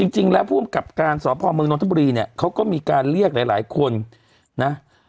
จริงแล้วผู้อำกับการสพเมืองนทบุรีเนี่ยเขาก็มีการเรียกหลายคนนะ